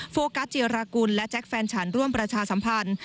โฟกัสจิรากุลและแจ็คแฟนฉันร่วมประชาสัมพันธ์